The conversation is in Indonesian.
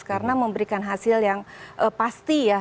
karena memberikan hasil yang pasti ya